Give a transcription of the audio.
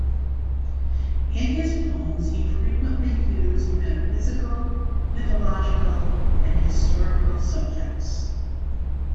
In his poems he frequently used metaphysical, mythological and historical subjects.